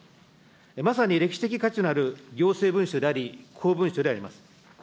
まさに歴史的価値のある行政文書であり、公文書であります。